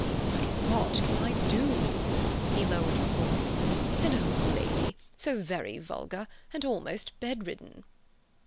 "But what can I do?" He lowered his voice. "An old lady, so very vulgar, and almost bedridden."